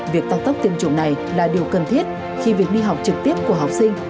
việc tăng tốc tiêm chủng này là điều cần thiết khi việc đi học trực tiếp của học sinh